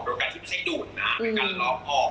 โดยการที่ประชาไกดุ่นเป็นการล็อกออก